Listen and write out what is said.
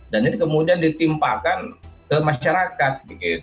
dan ini kemudian ditimpakan ke masyarakat